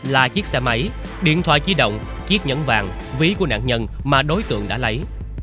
là chiếc xe máy điện thoại di động chiếc nhẫn vàng ví của nạn nhân mà đối tượng đã lấy